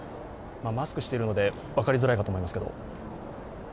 マスクをしているので分かりづらいとは思いますが。